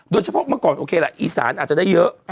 เมื่อก่อนโอเคแหละอีสานอาจจะได้เยอะ